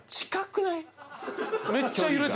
近くない？